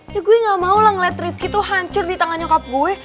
ya gue gak mau lah ngeliat rivki tuh hancur di tangan nyokap gue